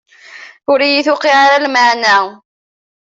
Ur iyi-tuqiɛ ara lmeɛna.